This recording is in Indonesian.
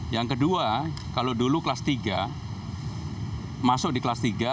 yang kedua kalau dulu kelas tiga masuk di kelas tiga